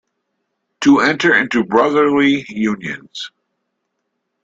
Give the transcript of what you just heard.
To enter into brotherly unions.